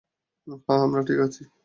হ্যাঁ, আমরা ঠিক আছি।